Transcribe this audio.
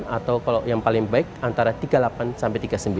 atau kalau yang paling baik antara tiga puluh delapan sampai tiga puluh sembilan